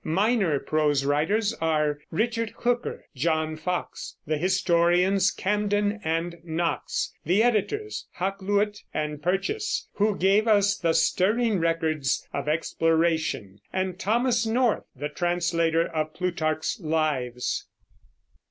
Minor prose writers are Richard Hooker, John Foxe, the historians Camden and Knox, the editors Hakluyt and Purchas, who gave us the stirring records of exploration, and Thomas North, the translator of Plutarch's Lives.